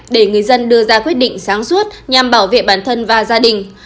để người dân đưa ra quyết định sáng suốt nhằm bảo vệ bản thân và gia đình